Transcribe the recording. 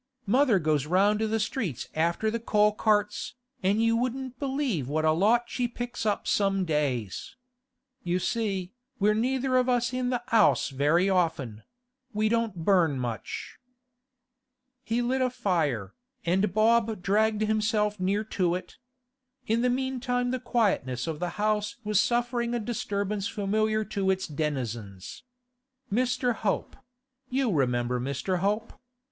Mother goes round the streets after the coal carts, an' you wouldn't believe what a lot she picks up some days. You see, we're neither of us in the 'ouse very often; we don't burn much.' He lit a fire, and Bob dragged himself near to it. In the meantime the quietness of the house was suffering a disturbance familiar to its denizens. Mr. Hope—you remember Mr. Hope?